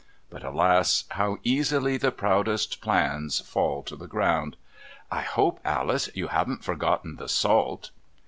But alas, how easily the proudest plans fall to the ground. "I hope, Alice, you haven't forgotten the salt!"